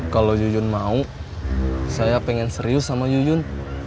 kalau jujun mau saya pengen serius sama yuyun